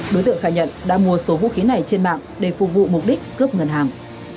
đối tượng khai nhận đã mua số vũ khí này trên mạng để phục vụ mục đích cướp ngân hàng